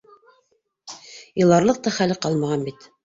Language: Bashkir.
Иларлыҡ та хәле ҡалмаған бит.